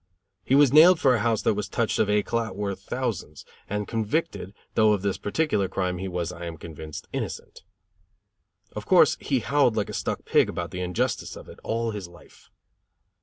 He was nailed for a house that was touched of "éclat" worth thousands, and convicted, though of this particular crime he was, I am convinced, innocent; of course, he howled like a stuck pig about the injustice of it, all his life.